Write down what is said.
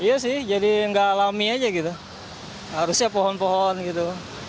iya sih jadi nggak alami aja gitu harusnya pohon pohon gitu